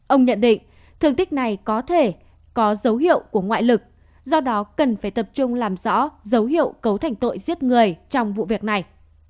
ông nhận định thương tích này có thể có dấu hiệu của ngoại lực do đó cần phải tập trung làm rõ dấu hiệu cấu thành tội giết người trong vụ việc này